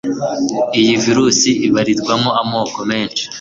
Iyi virusi ibarirwamo amoko menshi